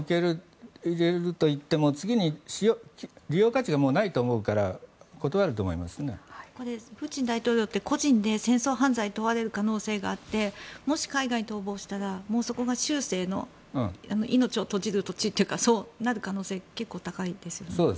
次に利用価値がないと思うからプーチン大統領って個人で戦争犯罪に問われる可能性があってもし海外に逃亡したらそこが終生の命を閉じる土地というかそうなる可能性結構高いですよね。